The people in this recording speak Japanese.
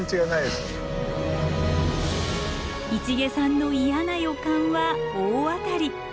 市毛さんの嫌な予感は大当たり。